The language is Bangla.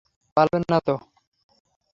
পালাবেন না তো?